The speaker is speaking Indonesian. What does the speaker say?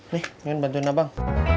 nih bantuin abang